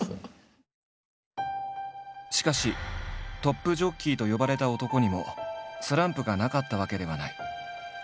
しかしトップジョッキーと呼ばれた男にもスランプがなかったわけではない。